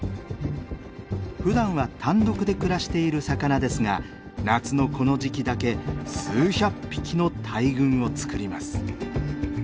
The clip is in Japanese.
ふだんは単独で暮らしている魚ですが夏のこの時期だけ数百匹の大群をつくります。